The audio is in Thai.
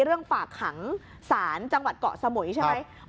เรื่องฝากขังศาลจังหวัดเกาะสมุยใช่ไหม